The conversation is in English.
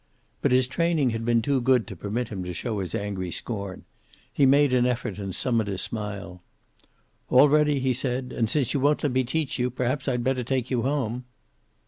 But his training had been too good to permit him to show his angry scorn. He made an effort and summoned a smile. "All ready," he said. "And since you won't let me teach you, perhaps I'd better take you home."